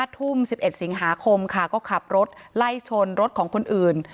ทุ่ม๑๑สิงหาคมค่ะก็ขับรถไล่ชนรถของคนอื่น